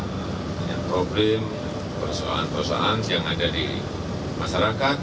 banyak masalah banyak masalah yang ada di masyarakat